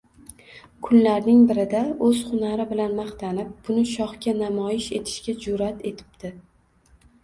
Kunlarning birida o`z hunari bilan maqtanib, buni shohga namoyish etishga jur`at etibdi